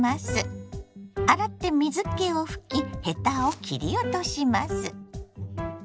洗って水けを拭きヘタを切り落とします。